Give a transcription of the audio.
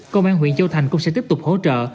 công an huyện châu thành cũng sẽ tiếp tục hỗ trợ